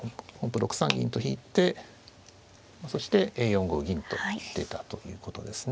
６三銀と引いてそして４五銀と出たということですね。